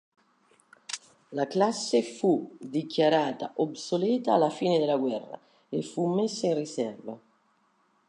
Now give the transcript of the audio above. La classe fu dichiarata obsoleta alla fine della guerra e fu messa in riserva.